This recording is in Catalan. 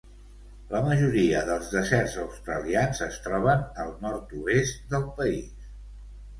La majoria dels deserts australians es troben al nord-oest del país.